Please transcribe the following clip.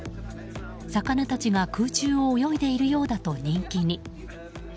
魚たちが空中を泳いでいるようだと人気に。